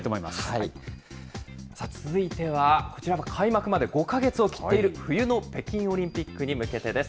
さあ、続いてはこちら、開幕まで５か月を切っている冬の北京オリンピックに向けてです。